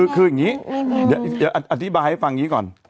คืออย่างนี้อธิบายให้ฟังนี้ก่อน